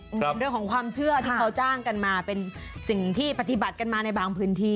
เรื่องของความเชื่อที่เขาจ้างกันมาเป็นสิ่งที่ปฏิบัติกันมาในบางพื้นที่